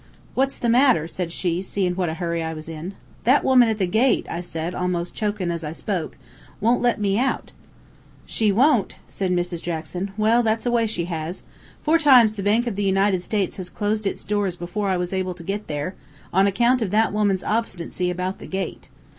"'What's the matter?' said she, seein' what a hurry I was in. "'That woman at the gate,' I said, almost chokin' as I spoke, 'wont let me out.' "'She wont?' said Mrs. Jackson. 'Well, that's a way she has. Four times the Bank of the United States has closed its doors before I was able to get there, on account of that woman's obstinacy about the gate.